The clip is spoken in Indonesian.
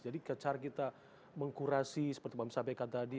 jadi cara kita mengkurasi seperti mbak messa beka tadi